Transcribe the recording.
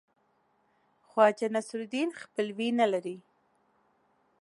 خواجه نصیرالدین خپلوي نه لري.